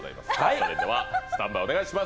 それではスタンバイお願いします。